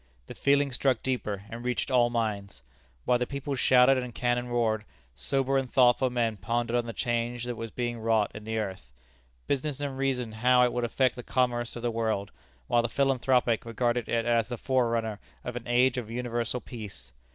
The feeling struck deeper, and reached all minds. While the people shouted and cannon roared, sober and thoughtful men pondered on the change that was being wrought in the earth. Business men reasoned how it would affect the commerce of the world, while the philanthropic regarded it as the forerunner of an age of universal peace.